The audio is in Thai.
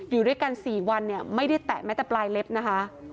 อยู่ด้วยกัน๔วันเนี่ยไม่ได้แตะแม้แต่ปลายเล็บนะคะ